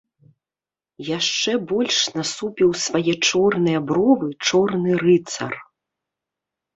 Яшчэ больш насупіў свае чорныя бровы чорны рыцар.